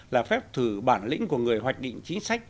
là phép thử bản lĩnh của người hoạch định chính sách